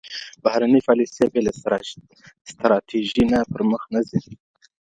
بهرنۍ پالیسي بې له ستراتیژۍ نه پر مخ نه ځي.